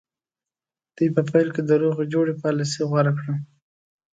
دوی په پیل کې د روغې جوړې پالیسي غوره کړه.